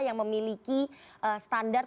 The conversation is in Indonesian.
yang memiliki standar